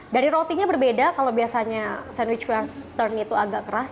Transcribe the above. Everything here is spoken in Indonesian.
dari rotinya berbeda kalau biasanya sandwich western itu agak keras